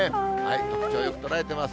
特徴よく捉えてます。